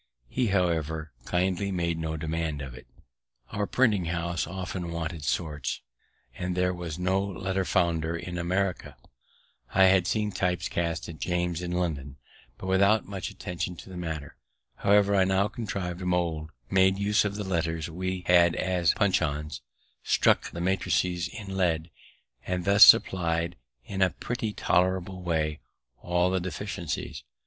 He, however, kindly made no demand of it. Our printing house often wanted sorts, and there was no letter founder in America; I had seen types cast at James's in London, but without much attention to the manner; however, I now contrived a mould, made use of the letters we had as puncheons, struck the mattrices in lead, and thus supply'd in a pretty tolerable way all deficiencies.